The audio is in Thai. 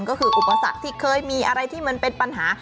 ก็คืออุปสรรคที่เคยมีอะไรที่มันเป็นปัญหา